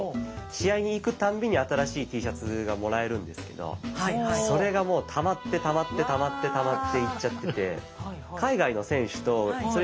試合に行くたんびに新しいＴシャツがもらえるんですけどそれがもうたまってたまってたまってたまっていっちゃってて。